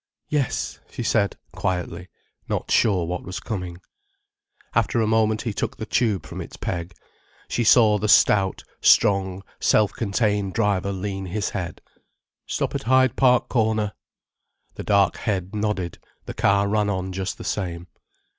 "Yes," she said, quietly, not sure what was coming. After a moment he took the tube from its peg. She saw the stout, strong, self contained driver lean his head. "Stop at Hyde Park Corner." The dark head nodded, the car ran on just the same.